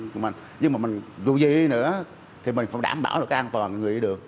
cũng gì nữa thì mình phải đảm bảo được cái an toàn người đi đường